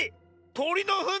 とりのふん？